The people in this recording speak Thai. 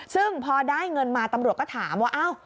ซึ่งพอได้เงินมาตำรวจก็ถามว่า